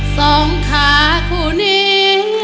สองขาคู่นี้